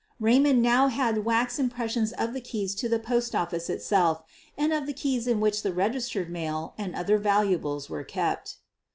Raymond now had wax impressions of the keys to the post office itself and of the keys in which the registered mail and other valuables were kept.